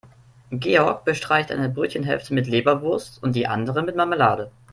Georg bestreicht eine Brötchenhälfte mit Leberwurst und die andere mit Marmelade.